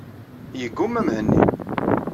Yegguma Mhenni.